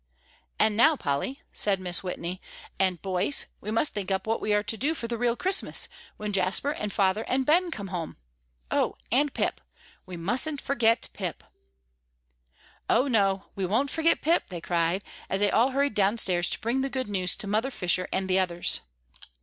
"And now, Polly," said Mrs. Whitney, "and, boys, we must think up what we are to do for the real Christmas, when Jasper and father and Ben get home; oh, and Pip we mustn't forget Pip." "Oh, no, we won't forget Pip," they cried, as they all hurried downstairs to bring the good news to Mother Fisher and the others.